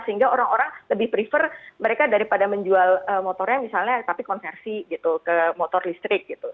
sehingga orang orang lebih prefer mereka daripada menjual motornya misalnya tapi konversi gitu ke motor listrik gitu